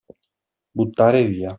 Buttare via.